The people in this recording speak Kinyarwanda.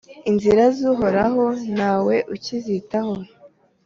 inzira z’Uhoraho nta we ukizitaho